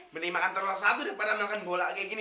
mending makan telur satu daripada makan bola kayak gini